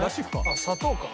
あっ砂糖か？